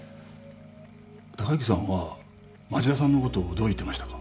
貴之さんは町田さんのことをどう言ってましたか？